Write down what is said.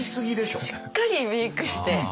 しっかりメークして。